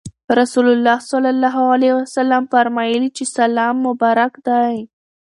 رسول الله صلی الله عليه وسلم فرمایلي چې سلام مبارک دی.